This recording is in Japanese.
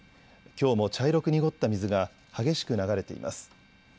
きょうも茶色く濁った水が激しく流れています。